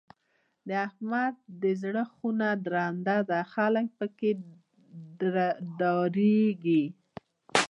د احمد دی زړه خونه درنه ده؛ خلګ په کې ډارېږي.